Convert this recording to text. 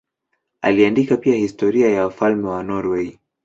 Aliandika pia historia ya wafalme wa Norwei.